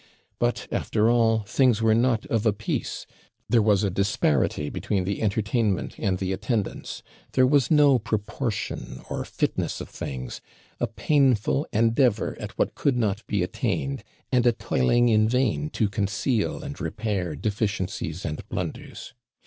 But, after all, things were not of a piece; there was a disparity between the entertainment and the attendants; there was no proportion or fitness of things a painful endeavour at what could not be attained, and a toiling in vain to conceal and repair deficiencies and blunders.